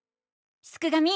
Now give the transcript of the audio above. すくがミ！